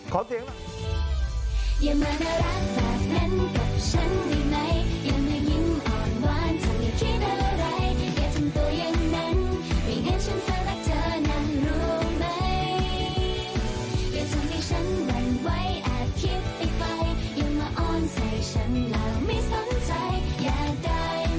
ขอเสียงมา